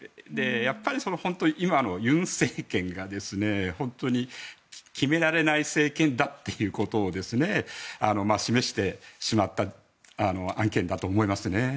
やっぱり本当に今の尹政権が決められない政権だっていうことを示してしまった案件だと思いますね。